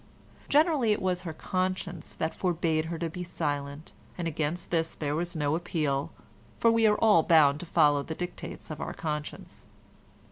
Generally it was her conscience that forbade her to be silent, and against this there was no appeal, for we are all bound to follow the dictates of our conscience.